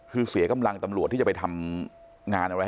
คือเสียกำลังตำรวจที่จะไปทำงานอะไร